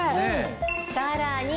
さらに。